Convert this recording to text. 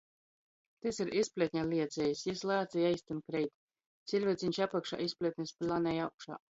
Tys ir izplietņa lieciejs. Jis lāc i eistyn kreit - ciļvieceņš apakšā, izplietnis planej augšā!